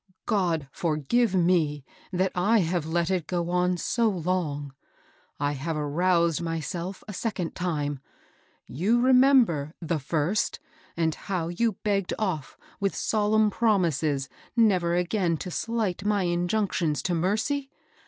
God forgive me that I have let it go on so long! I have aroused myself a second time ; you remember the first, and how you b^ ged off with solemn promises never again to slight my injunctions to mercy?